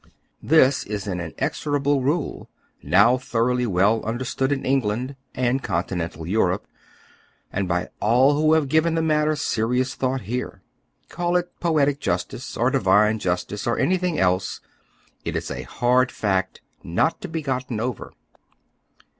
This is an inexorable rule, now thoroughly well under stood in England and continental Europe, and by all who have given the matter serious thought here. Call it po etic justice, or divine justice, or anything else, it is a Iiard fact, not to be gotten over.